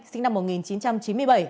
sinh năm một nghìn chín trăm chín mươi bảy